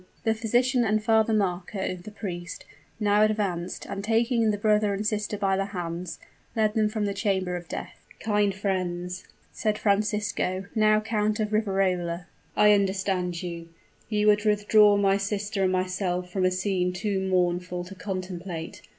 The physician and Father Marco, the priest, now advanced, and taking the brother and sister by the hands, led them from the chamber of death. "Kind friends," said Francisco, now Count of Riverola, "I understand you. You would withdraw my sister and myself from a scene too mournful to contemplate.